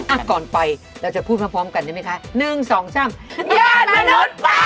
อ่ะก่อนไปเราจะพูดพร้อมพร้อมกันได้ไหมคะหนึ่งสองสามยอดมนุษย์ป้า